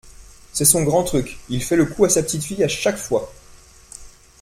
c’est son grand truc, il fait le coup à sa petite-fille à chaque fois